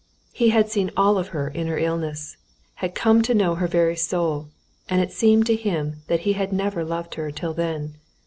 He had seen all of her in her illness, had come to know her very soul, and it seemed to him that he had never loved her till then.